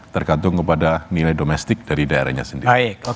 tergantung kepada nilai domestik dari daerahnya sendiri